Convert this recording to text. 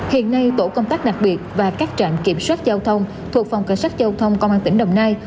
hiện nay tổ công tác đặc biệt và các trạm kiểm soát giao thông thuộc phòng cảnh sát giao thông công an tỉnh đồng nai